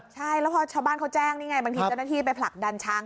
ใช่แล้วพอชาวบ้านเขาแจ้งนี่ไงบางทีเจ้าหน้าที่ไปผลักดันช้าง